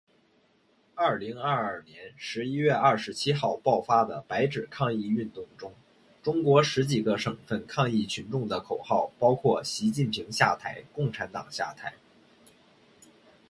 二零二二年十一月二十七号爆发的白纸抗议运动中，中国十几个省份抗议群众的口号包括“习近平下台，共产党下台”